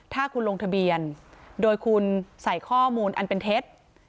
ถ้าคุณลงทะเบียนโดยคุณใส่ข้อมูลอันเป็นเท็จ